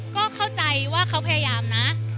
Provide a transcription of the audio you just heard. ก็เข้าใจว่าเขาพยายามนะ